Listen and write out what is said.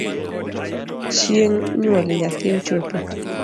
Chieng’ nyuol nyathi ochopo